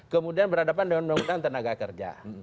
kemudian berhadapan dengan undang undang tenaga kerja